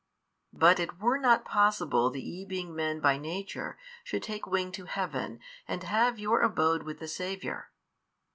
But it were not possible that ye being men by nature should take wing to Heaven and have your abode with the Saviour.